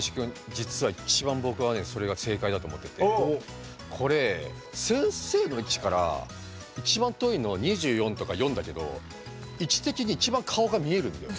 実は一番僕はねそれが正解だと思っててこれ先生の位置から一番遠いの２４とか４だけど位置的に一番顔が見えるんだよ。